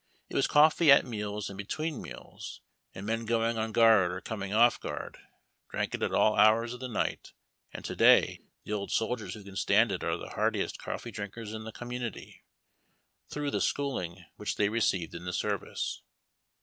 It w^as coffee at meals and between meals ; and men o^oino on o uard or coming off guard drank it at all hours of the night, and to day the old soldiers who can stand it are the hardest coffee drinkers in the community, through the schooling which they received in the service.